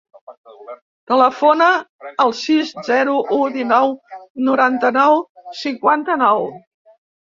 Telefona al sis, zero, u, dinou, noranta-nou, cinquanta-nou.